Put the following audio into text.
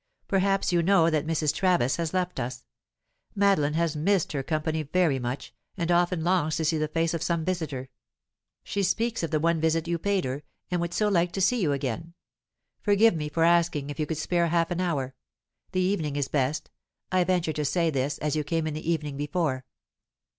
"Perhaps you know that Mrs. Travis has left us. Madeline has missed her company very much, and often longs to see the face of some visitor. She speaks of the one visit you paid her, and would so like to see you again. Forgive me for asking if you could spare half an hour. The evening is best; I venture to say this, as you came in the evening before."